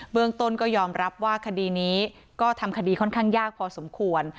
เมืองต้นก็ยอมรับว่าคดีนี้ก็ทำคดีค่อนข้างยากพอสมควร